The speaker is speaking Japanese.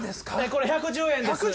これ１１０円です。